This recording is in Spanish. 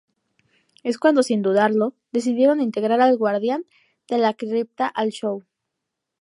Es cuando sin dudarlo, decidieron integrar al Guardián de la Cripta al show.